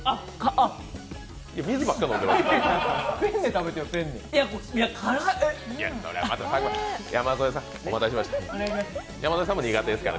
あ、水ばっかり飲んでますけど。